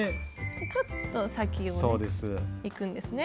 ちょっと先をいくんですね。